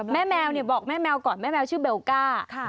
แมวบอกแม่แมวก่อนแม่แมวชื่อเบลก้า